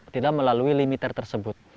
tidak melalui limiter tersebut